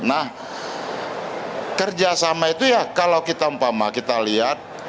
nah kerjasama itu ya kalau kita lihat